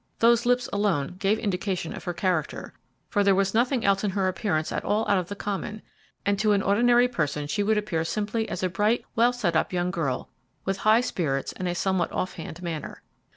Those lips alone gave indication of her character, for there was nothing else in her appearance at all out of the common, and to an ordinary person she would appear simply as a bright, well set up young girl, with high spirits and a somewhat off hand manner.